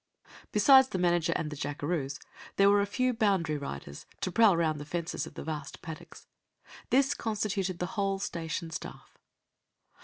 Besides the manager and the jackaroos, there were a few boundary riders to prowl round the fences of the vast paddocks. This constituted the whole station staff.